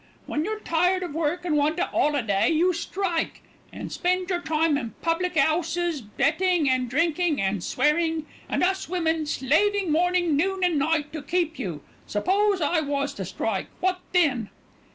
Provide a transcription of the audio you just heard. When you're tired of work and want a 'oliday you strike, and spend your time in public 'ouses, betting and drinking and swearing, and us women slaving morning, noon and night to keep you. Suppose I was to strike, what then?"